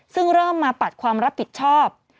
ซึ่งเริ่มมาปัดความรับผิดชอบ